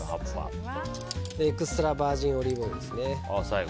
エクストラバージンオリーブオイルですね。